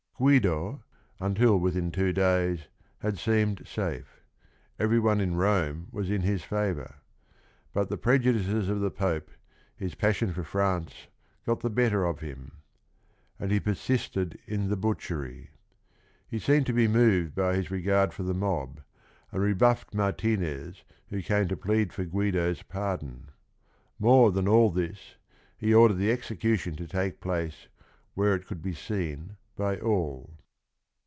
Guido, until within two days, had seemed safe : every one in Rome was in his favor. But the prejudices of the Pope, his passion for France, got the better of him. "And he persisted in the butchery." He seemed to be moved by his re gard for the mob, and rebuffed Martinez who came to plead for Guido's pardon. More than all this, he ordered the execution to take place where it could be seen by all.